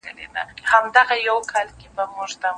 د مقالي لیکل د شاګرد څېړونکي خپل کار دی.